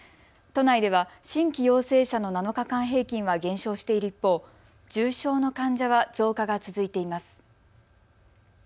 都内では新規陽性者の７日間平均は減少している一方、重症の患者は増加が続いています。